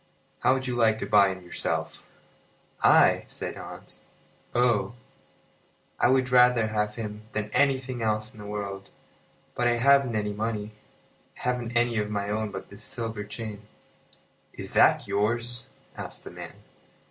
"How would you like to buy him yourself?" "I!" said Hans. "Oh! I would rather have him than anything else in the world; but I haven't any money. I haven't anything of my own but this silver chain." "Is that yours?" asked the man.